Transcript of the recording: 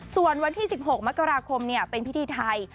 ส่วนวันที่๑๖มกราคมเป็นพิธีไทย